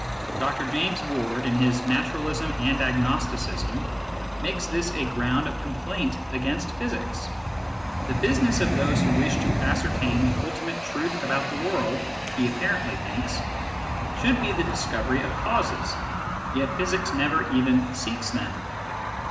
Dr. James Ward, in his Naturalism and Agnosticism, makes this a ground of complaint against physics : the business of those who wish to ascertain the ultimate truth about the world, he apparently thinks, should be the discovery of causes, yet physics never even seeks them.